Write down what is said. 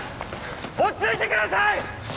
落ち着いてください！